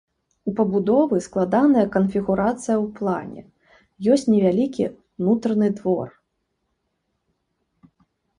У пабудовы складаная канфігурацыя ў плане, ёсць невялікі ўнутраны двор.